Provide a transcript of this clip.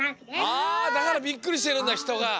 あだからビックリしてるんだひとが。